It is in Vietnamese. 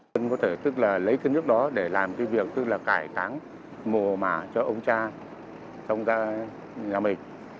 chúng tôi có thể lấy nước đó để làm việc cải tráng mùa mả cho ông cha và nhà mình